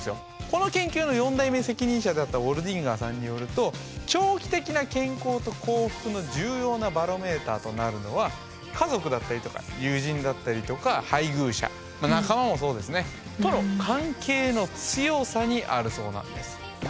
この研究の４代目責任者であったウォールディンガーさんによると長期的な健康と幸福の重要なバロメーターとなるのは家族だったりとか友人だったりとか配偶者仲間もそうですねとの関係の強さにあるそうなんです。